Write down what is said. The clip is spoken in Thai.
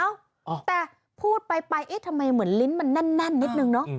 อ้าวแต่พูดไปเหมือนลิ้นมันนั่นนิดหนึ่งเนอะ